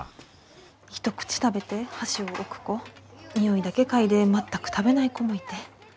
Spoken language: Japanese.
一口食べて箸を置く子匂いだけ嗅いで全く食べない子もいて。